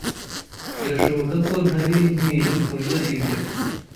Birashoboka ko ntari nkwiye kurya ibyo.